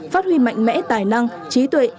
phát huy mạnh mẽ tài năng trí tuệ